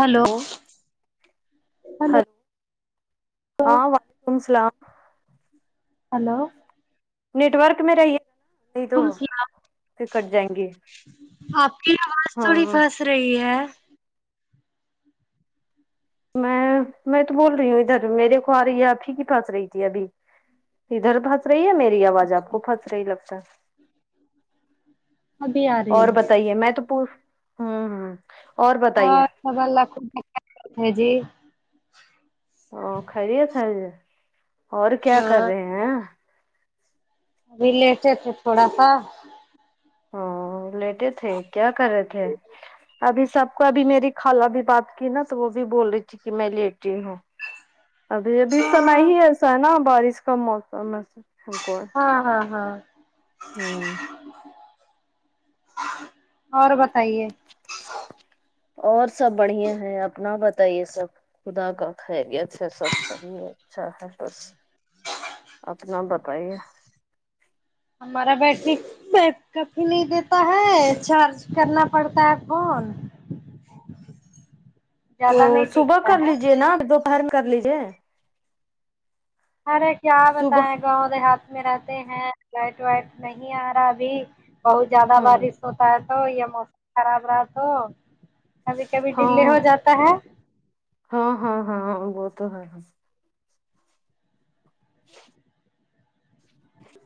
Hello او hello hello ہاں وعلیکم السلام ہیلو نیٹ ورک میں رہئے نہیں تو تم سنا پھر کٹ جائیں گے آپ کی آواز تھوڑی ہاں پھنس رہی ہے میں میں تو بول رہی ہوں ادھر میرے کو آ رہی آپ ہی کی پھنس رہی تھی ابھی ادھر پھنس رہی ہے میری آواز آپ اچھا کو پھنس رہی لگتا ہے ابھی آ رہی اور ہے بتائیے میں تو پوچ ہمم ہاں [unintelligible] اور خیریت ہے جی اور کیا کر ہاں رہے ہیں ابھی لیٹے تھے تھوڑا سا ہ لیٹے تھے کیا کرے تھے ابھی سب کو ابھی میری خالہ بھی بات کی نا تو وہ بھی بول رہی تھی کہ میں لیتی ہوں ابھی ابھی سمئے ہی ایسا ہے نا بارش کا موسم ای ہاں ہاں ہاں ہوں اور بتائیے اور سب بڑھیا ہے اپنا بتائیے سب خدا کا خیریت سے سب صحیح ہے اچھا ہے بس اچھا نام بتایئے ہمارا بیٹری بیک کفھی نہیں دیتا ہے چارج کرنا پڑتا ہے فون تو زیادہ نہیں صبح ٹکتا کر ہے لیجے نا دوپہر میں کر لیجے ارے کیا صبح بتائیں گاؤں د ہاتھ میں رہتے ہیں لائٹ وائٹ نہیں آ رہا ابھی بہت زیادہ ہوں بارش سوتا ہے تو یا موسم خراب رہا تو کبھی کبھی دیلے ہاں ہو جاتا ہے ہاں ہاں ہاں وہ تو ہے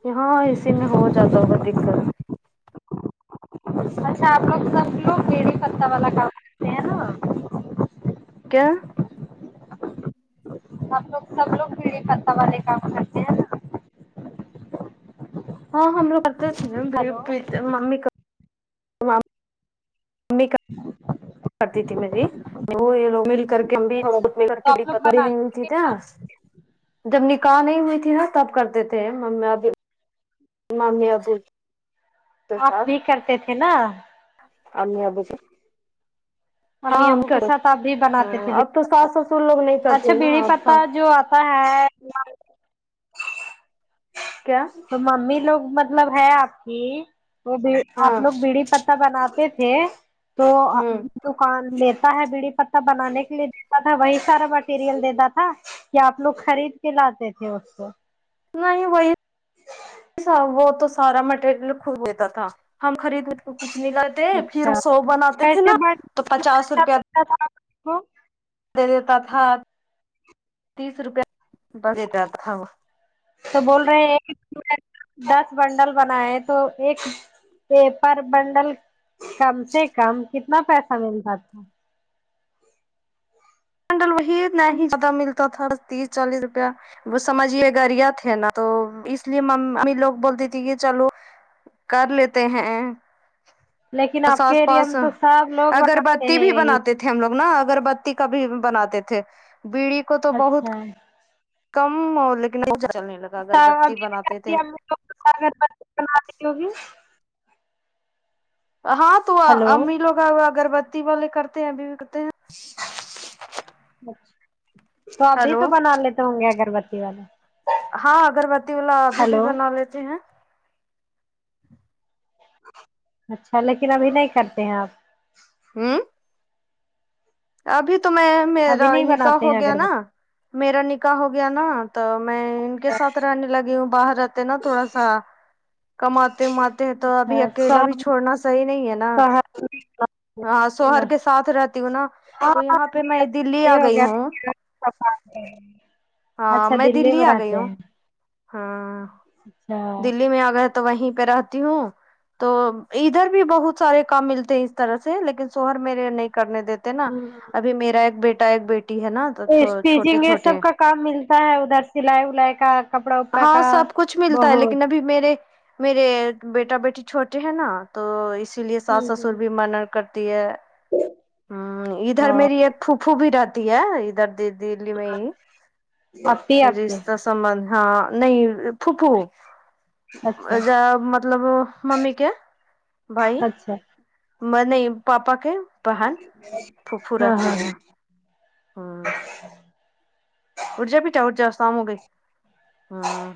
یا ہاں اسی میں ہو جاتا ہوگا دکات اچھا آپ لوگ سب لوگ بڑی پتہ والا کام کرتے ہیں نا کیا آپ سب لوگ سب لوگ بڑی پتہ والے کام کرتے ہیں نا ہاں ہم لوگ کرتے تھے بڑی ہلو ممی کرت نک کرتی تھی میں بھی وہ یہ لوگ مل کر کے کے ہم اچھا تو آپ لوگ بنانے بھی ٹی تس جب نکاح نہیں ہوئی تھی نا تب کرتے تھے ممی ابھی ممی ابو کے آپ ساتھ بھی کرتے تھے نا امی ابو صرف امی ابو کے ساتھ آپ بھی بناتے تھے ہاں اب بیڑی تو ساس سسر لوگ نہیں پتہ اچھا کرتے نا بیڑی اب پتہ ساس جو آپ ہوتا ہے کیا ممی لوگ مطلب مطلب ہے آپ کی وہ بی ہاں آپ لوگ بیڑی پتہ بناتے تھے تو ہوں دکان لیتا ہے بیڑی پتہ بنانے کے لیے دیتا تھا وہی سارا مٹیریل دیتا تھا یا آپ لوگ خرید کے لاتے تھے اس کو نہیں وہی وہ تو سارا مٹیریل خود دیتا تھا ہم خریدنے تو کچھ نہیں لاتے تے پھر اچھا سو بناتے تھے کیسے نا تو پچاس روپیہ [unintelligible] دے دیتا تھا تیس روپے دیتا تھا وہ تو بول رہے ہیں کے دس بنڈل بنائے تو ایک پیپر بنڈل کم سے کم کتنا پیسہ ملتا تھا بنڈل وہی نہیں ہی زیادہ ملتا تھا تیس چالیس روپیہ وہ سمجھ لے گا ریا تھے نا تو اس لیے مام امی لوگ بولتے تھے کہ چلو کر لیتے ہیں لیکن بس آپ کے آس ایریا پاس میں تو سب لوگ بناتے اگربتی ہیں بھی یہی بناتے تھے تھے ہم لوگ نا اگربتی کا بھی بناتے تھے بیڑی کو تو بہت اچھا کم ہو لیکن چلنے لگا اگربتی ابھی بناتے بھی تھے امی لوگ اگربتی بناتی ہوگی ہاں تو ہلو امی لوگ اگربتی والے کرتے ہیں ابھی بھی کرتے ہیں تو ابھی تو ہیلو بنا لیتے ہوں گے اگربتی والے ہاں اگربتی والا ابھی بھی ہلو بنا لیتے ہیں اچھا لیکن ابھی نہیں کرتے ہیں آپ ہوں ابھی تو میں ابھی میرا نہیں نکاح بناتے ہو ہیں گیا نا اگربتی میرا نکاح ہو گیا نا تو میں ان کے ساتھ رہنے لگی ہوں باہر رہتے نا تھوڑا سا کماتے وماتے ہیں تو ابھی اچھا اکیلا بھی چھوڑنا صحیح نہیں ہے نا شہر ہاں شہر شوہر نا کے ساتھ رہتی ہوں نا ہاں تو یہاں پہ میں دلی آ ہو گئی گیا ہوں ہاں اچھا میں دلی آ گئی رہتے ہوں ہیں ہاں اچھا دلی دلی میں آ گئے تو وہیں پہ رہتی ہوں تو ادھر بھی بہت سارے کام ملتے اس طرح سے لیکن شوہر میرے نہیں کرنے دیتے نا ابھی میرا ایک بیٹا ایک بیٹی ہے نا تو چھوٹے اسٹیچنگ یہ چھوٹے سب کا کام ملتا ہے ادھر سلائی ولائی کا کپڑا وپڑا ہاں کا سب کچھ ملتا ہے بہت لیکن ابھی میرے میرے بیٹا بیٹی چھوٹے ہیں نا تو اسی لیے ہ ساس سسر بھی ہ منا کرتی ہے ہ ادھر ا میری ایک پھوپہو بھی رہتی ہے ادھر دلی میں ہی آپی آپ کے رشتہ تمنا نہیں پھوپھو اچھا جا مطلب ممی کے بھائی اچھا میں نہ پاپا کے بہن پھوپھو ہاں رہتی ہاں ہے ہوں اٹھ جا بیٹا اٹھ جا شام ہوگئی ہاں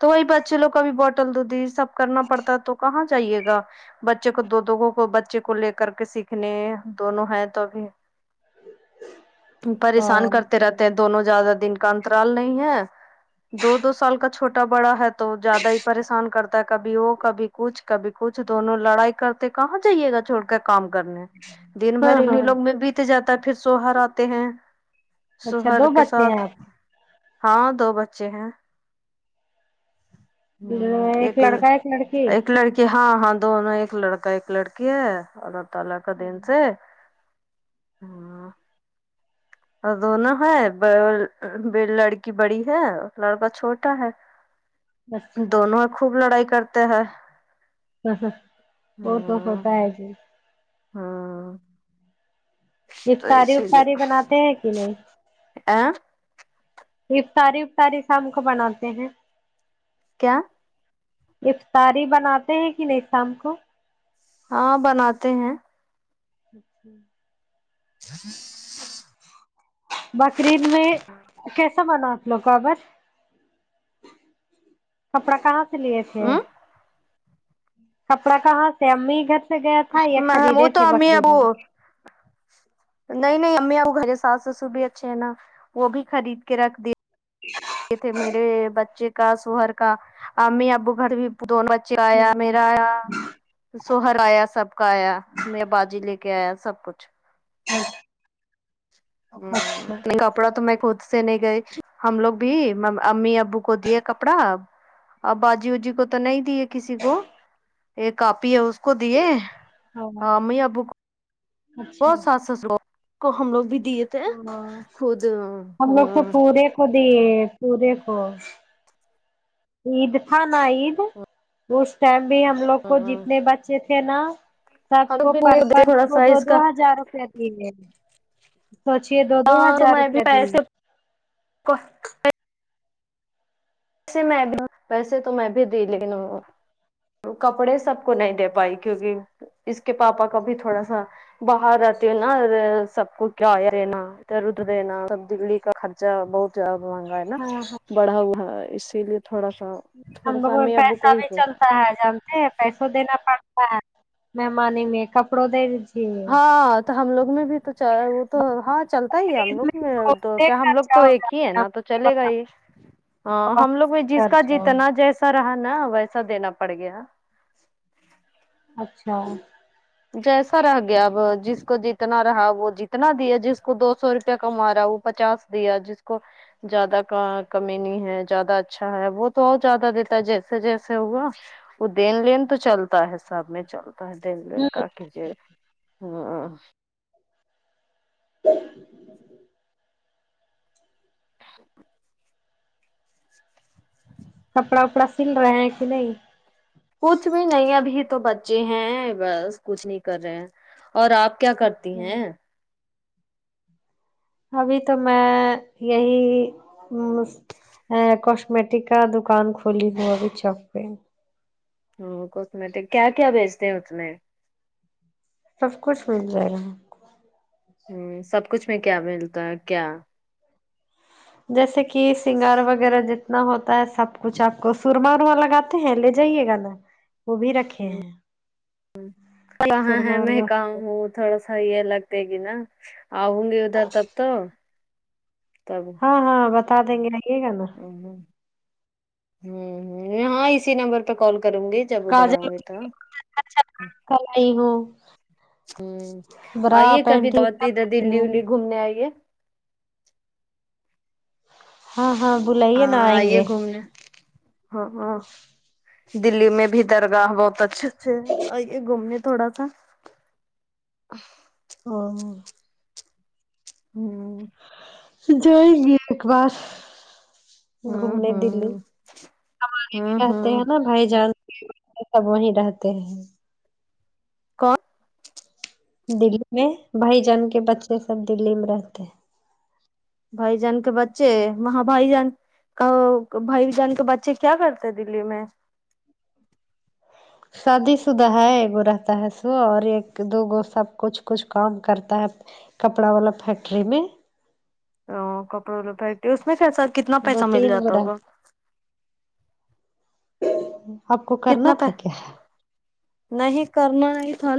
تو وہی بچے لوگ کا بھی بوٹل دودھی سب کرنا پڑتا تو کہاں جائیے گا بچے کو دو دگوں کو بچے کو لے کر کے سیکھنے دونوں ہیں تو بھی پریشان ہاں کرتے رہتے ہیں دونوں زیادہ دن کا اترال نہیں ہے دو دو سال کا چھوٹا بڑا ہے تو زیادہ ہی پریشان کرتا ہے کبھی وہ کبھی کچھ کبھی کچھ دونوں لڑائی کرتے کہاں جائیے گا چھوڑ کا کام کرنے دن بھر ہاں انیں لوگ میں بیت جاتا ہے پھر سوہر آتے ہیں اچھا شوہر دو کے بچے ہیں ساتھ آپ ہاں دو بچے ہیں ہ کے ایک لڈ لڑکا لڑکی ایک لڑکی کہ ہاں ہاں دونوں ایک لڑکا ایک لڑکی ہے اور تلاک دن سے ہاں اور دونوں ہے لڑکی بڑی ہے لڑکا چھوٹا ہے اچھا دونوں اب خوب لڑائی کرتے ہیں وہ تو ہاں ہوتا ہے جی ہاں تو افطاری اسی لیے افتاری بناتے ہیں کہ نہیں ا افطاری افطاری سام کو بناتے ہیں کیا افطاری بناتے ہیں کہ نہیں شام کو ہاں بناتے ہیں اچھا بکری میں کیسا بنا آپ لوگ کا ابس کپڑا کہاں لیے تھے ہ کپڑا کہاں سے امی گھر سے گیا تھا یا وہ خریدے تو تھے امی بکریید ابو میں نہیں نہیں امی وہ گے ساس سسو بھی اچھے ہیں نا وہ بھی خرید کے رکھ د ت میرے بچے کا سوہر کا امی ابو گھر بھی دونوں بچے آیا میں میرا سوہرایا سب کا آیا میں باجی لے کے آیا سب کچھ ہاں ہ نہیں کپڑا تو میں خود سے نہیں گئی ہم لوگ بھی امی اب ابو کو دیا کپڑا ا اب باجی اوجی کو تو نہیں دی ہے کسی کو ایک آپی ہے کو دے ہاں ہ امی ابو کو بہت ساس سسر کو ہم لوگ بھی دیے تھے ہاں خود ہم لوگ تو ہمم پورے کو دیے پورے کو عید تھا نا عید اس ٹائم بھی ہم لوگ کو جتنے بچ چے تھے نا سب ہم کو لوگ پر بھی پرس تھوڑا کو سا دو اس دو کا ہزار روپے دی گے سوچیے دو دو ہزار روپیہ دی گے و اب سے میں بھی ویسے تو میں بھی دی لن کپڑے سب کو نہیں دے پائی کیونکہ اس کے پاپا کا بھی تھوڑا سا باہر آتی ہو نا سب کو کیا ہے ہے نا د رد دینا سبدلی کا خرچا بہت زیاد مہنگا ہے نا ہاں ہاں بڑا ہوا اسی لیے تھوڑا سا تھوڑا امبا سا امی ابو کو پیسہ ہی بھی دے چل چلتا ہے جانتے ہیں پیسوں دینا پڑتا ہے مہمان میں کپڑوں دے دیجیے ہاں تو ہم لوگ میں بھی تو چاہ وہ تو ہاں چلتا ہی ہے ہم خرید لوگ میں تو بہت کیا ہم لوگ تو خرچہ ہو ایک ہی ہے جاتا نا تو چلے گا ہی ہاں بہت ہم لوگ میں جس کا خرچہ جتنا جیسا رہا نا ویسا دینا پڑ گیا اچھا جیسا رہ گیا اب جس کو جتنا رہا وہ جتنا دیا جس کو دو سو روپیہ کما رہا ہے وہ پچاس دیا جس کو زیادہ کا کمی نہیں ہے زیادہ اچھا ہے وہ تو اور زیادہ دیتا ہے جیسے جیسے ہوا وہ دین لین تو چلتا ہے سب میں چلتا ہے دین ل کا کی جی یہ ہاں کپڑا وپڑا سل رہے ہیں کہ نہیں کچھ بھی نہیں ابھی تو بچے ہیں بس کچھ نہیں کر رہے ہیں اور آپ کیا کرتی اچھا ہیں ابھی تو میں یہی ا کاسمیٹک کا دکان کھلی ہوئی ابھی چوک پہ ہ کوسمیٹک کیا کیا بیچتے ہیں اس میں سب کچھ مل جائے گ ہ سب کچھ میں کیا ملتا ہے کیا جیسے کہ سنگار وغیرہ ج اتنا ہوتا ہے سب کچھ آپ کو سورما ورما لگاتے ہیں لے جائیے گا نا وہ بھی رکھے ہیں ف [unintelligible] کہاں ہے سرما میں ورما کہاں ہوں تھوڑا سا یہ لگتے گ نا آؤوں گی ادھر تب تو تب ہاں ہاں بتا دیں گے آئیے گا نا ہ ہ ہ ہاں اسی نمبر پہ کال کروں گی جب ادھر آؤ گے تو اچھا کل ائی ہو ہوں آئیے کبھی تو پینٹی بھی سب ادھر رکھی دلی ہوں ولی گھومنے آئیے ہاں ہاں بلائیے نہ ہاں آئیں آئیے گے گھومنے ہاں ہاں دللی میں بھی درگاہ بہت اچھے اچھے ہیں آئیے گھومنے تھوڑا سا ا ہ حم ہوں جائیں گے ایک بار ہ گھومنے دلی ہ ہمارے بھی ہوں رہتے ہوں ہیں نا بھائی جان سب وہی رہتے ہیں کون دلی میں بھائی جان کے بچے سب دلی میں رہتے ہیں بھائی جان کے بچے وہاں بھائی جان کہ بھائی جان کے بچے کیا کرتے دلی میں شادی شدہ ہے وہ رہتا ہے سو اور ایک دو گو سب کچھ کچھ کام کرتا ہے کپڑا والا فیکٹری میں تو کپڑے والا فیکٹری اس میں ایسا کتنا دو پیسہ مل تین گو جاتا رہتے ہوگا ہیں۔ آپ کو کرنا کتنا تھا پ کیا نہیں کرنا ہی تھا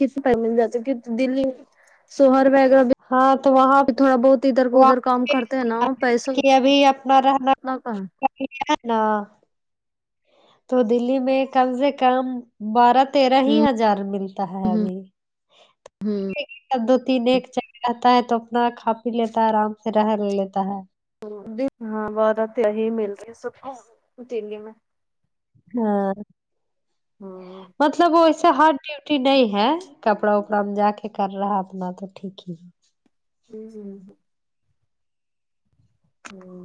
کت پ مل جات کی دلی سوہر وگرہ [unintelligible] ہاں تو وہاں وہ کام کرتے ہیں نا پیسہ [unintelligible] ابھی اپنا رہنا اتنا کہاں کیا نا تو دلی میں کم سے کم بارت تیرہ ہی ہزار ملتا ہے ہ ابھی ہ دو تین ایک چائے رہتا ہے تو اپنا کھا پی لیتا ہے آرام رہ لیتا ہے ہاں وہ عورت یہی مل رہی ہے سب کو دلی میں اور ہ مطلب وہ اتنا ہارڈ ڈیوٹی نہیں ہے کپڑا وپڑا میں جا کے کر رہا ہے اپنا تو ٹھیک ہی ہے ہوں ہوں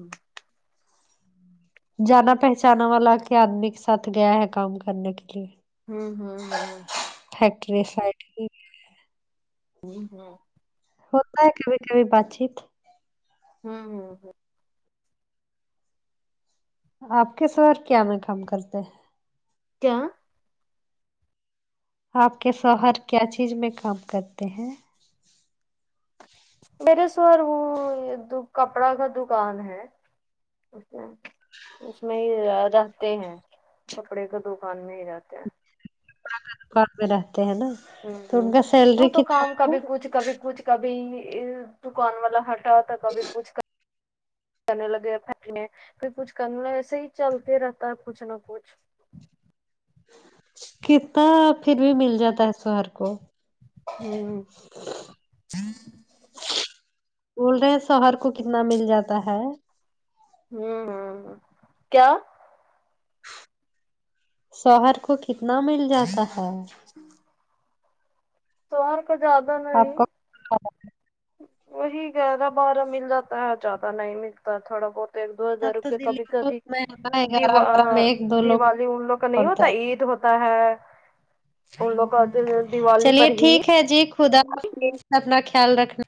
جانا پہچانا والا کے آدمی کے ساتھ گیا ہے کام کرنے کے لیے ہوں ہوں ہوں فیکٹری سائڈ میں جی ہاں ہوتا ہے کبھی کبھی بات چیت ہوں ہوتا آپ کے شوہر کیا میں کام کرتے ہیں کیا آپ کے شوہر کیا چیز میں کام کرتے ہیں میرے شوہر وہ کپڑا کا دکان ہے اچھا اس لیے وہ آ جاتے ہیں چھپڑے کے دکان میں ہی رہتے ہیں کاروبار میں رہتے ہیں نا ہوں تو ان ہوں کا وہ سیلری تو کتنا کام کبھی ہوگا کچھ کبھی کچھ کبھی یہ دکان والا ہٹا تھا کبھی کچھ کر کرنے لگے میں نے پھر کچھ کرنے لگا ایسے ہی چلتے رہتا ہے کچھ نہ کچھ کتنا پھر بھی مل جاتا ہے سوہر کو ہوں بول رہے ہیں سوہر کو کتنا مل جاتا ہے ہوں ہ ہ کیا شوہر کو کتنا مل جاتا ہے شوہر کو زیادہ آپ نہیں کو وہی گیارہ بارہ مل جاتا ہے زیادہ نہیں ملتا تھوڑا بہت ایک دو تب ہزار تو روپئے دلی کبھی کو کبھی میں گیارہ دیوا بارہ میں ایک دو لوگ دیوالی ان لوگ کا نہیں ہوتا پڑتا ہے عید ہو ہوتا ہے ان لوگ کا دل دیوالی پر چلیے ہی ٹھیک ہے جی خدا پز اپنا خیال رکھنا